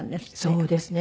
そうですね。